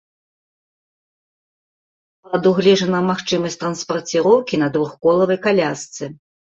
Прадугледжана магчымасць транспарціроўкі на двухколавай калясцы.